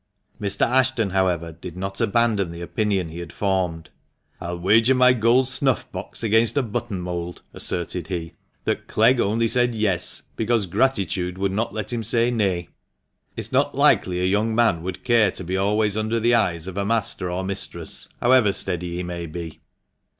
Mr. Ashton, however, did not abandon the opinion he had formed. " I'll wager my gold snuff box against a button mould," asserted he, " that Clegg only said ' Yes ' because gratitude would not let him say ' Nay !' It's not likely a young man would care to be always under the eyes of a master or mistress, however steady he may be."